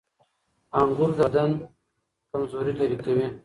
انګور د بدن کمزوري لرې کوي.